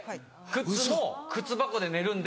靴も靴箱で寝るんで。